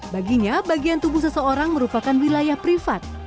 baginya bagian tubuh seseorang merupakan wilayah privat